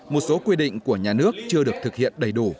một số quy định của nhà nước chưa được thực hiện đầy đủ